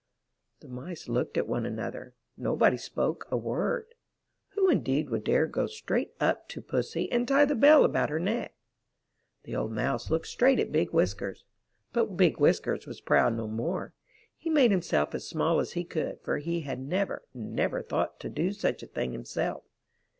The Mice looked at one another; nobody spoke a word. Who indeed would dare go straight up to Pussy and tie the bell about her neck? The old Mouse looked straight at Big Whiskers, but Big Whiskers was proud no more. He made himself as small as he could, for he had never, never thought to do such a thing himself.